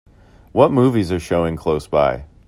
What movies are showing close by